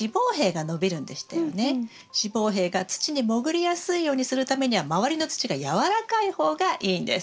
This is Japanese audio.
子房柄が土にもぐりやすいようにするためには周りの土が軟らかい方がいいんです。